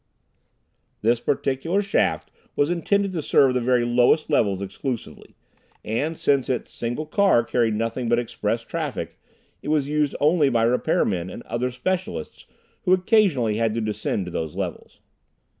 This particular shaft was intended to serve the very lowest levels exclusively, and since its single car carried nothing but express traffic, it was used only by repair men and other specialists who occasionally had to descend to those levels.